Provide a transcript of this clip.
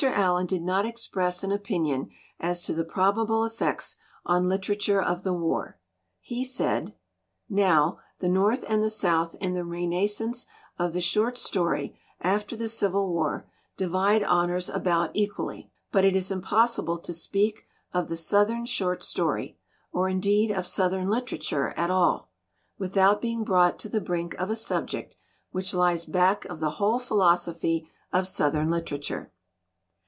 Allen did not express an opinion as to the probable effects on literature of the war. He said : "Now, the North and the South in the renas cence of the short story after the Civil War di vide honors about equally. But it is impossible to speak of the Southern short story, or indeed of Southern literature at all, without being brought 95 LITERATURE IN THE MAKING to the brink of a subject which lies back of the whole philosophy of Southern literature."